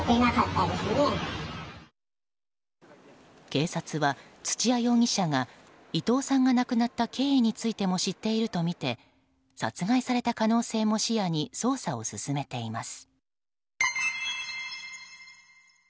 警察は、土屋容疑者が伊藤さんが亡くなった経緯についても知っているとみて殺害された可能性も視野に捜査を進めています。